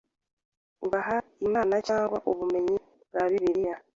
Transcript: ubaha Imana cyangwa ubumenyi bwa Bibiliya